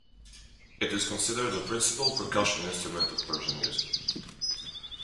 It is considered the principal percussion instrument of Persian music.